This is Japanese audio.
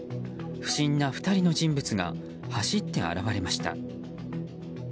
不審な２人の人物が走って現れました。